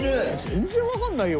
全然わかんないよ